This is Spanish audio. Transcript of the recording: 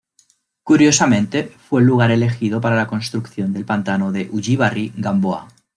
Curiosamente fue el lugar elegido para la construcción del pantano de Ullíbarri-Gamboa.